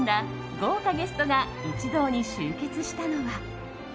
豪華ゲストが一堂に集結したのは。